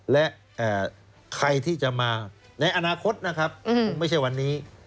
และใครที่จะมาในอนาคตนะครับคงไม่ใช่วันนี้